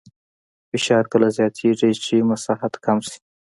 فشار کله زیاتېږي چې مساحت کم شي.